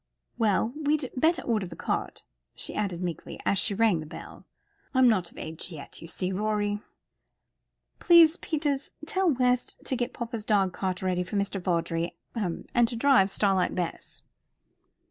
Well, we'd better order the cart," she added meekly, as she rang the bell. "I'm not of age yet, you see, Rorie. Please, Peters, tell West to get papa's dog cart ready for Mr. Vawdrey, and to drive Starlight Bess."